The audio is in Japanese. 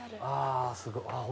あーすごい！